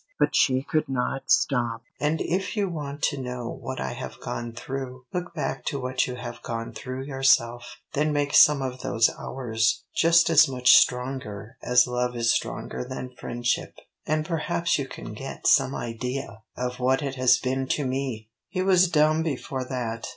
But she could not stop. "And if you want to know what I have gone through, look back to what you have gone through yourself then make some of those hours just as much stronger as love is stronger than friendship and perhaps you can get some idea of what it has been to me!" He was dumb before that.